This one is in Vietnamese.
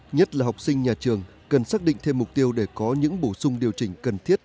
nhất là học sinh nhà trường cần xác định thêm mục tiêu để có những bổ sung điều chỉnh cần thiết